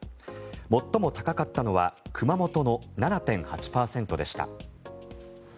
最も高かったのは熊本の７．８％でした。